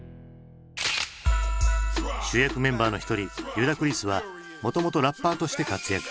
主役メンバーの一人リュダクリスはもともとラッパーとして活躍。